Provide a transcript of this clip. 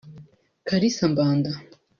Kalisa Mbanda